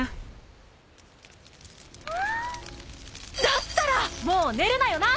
だったらもう寝るなよな！